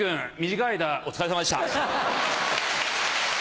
短い間お疲れさまでした。